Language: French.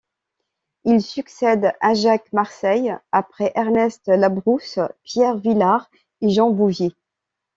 Il succède à Jacques Marseille, après Ernest Labrousse, Pierre Vilar et Jean Bouvier.